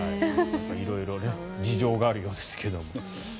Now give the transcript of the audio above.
色々事情があるようですが。